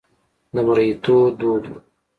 د مریتوب دود و.